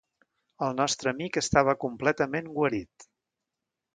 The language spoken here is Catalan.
El nostre amic estava completament guarit.